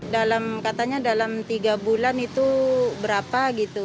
dalam katanya dalam tiga bulan itu berapa gitu